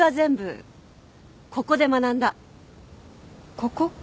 ここ？